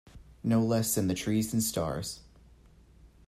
No less than the trees and the stars